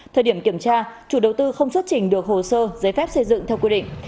thời điểm kiểm tra chủ đầu tư không xuất trình được hồ sơ giấy phép xây dựng theo quy định